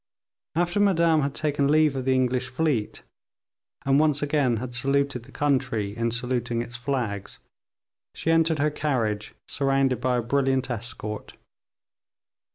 After Madame had taken leave of the English fleet, and, once again, had saluted the country in saluting its flags, she entered her carriage, surrounded by a brilliant escort.